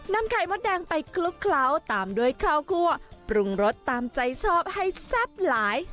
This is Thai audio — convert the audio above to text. ไข่มดแดงไปคลุกเคล้าตามด้วยข้าวคั่วปรุงรสตามใจชอบให้แซ่บหลาย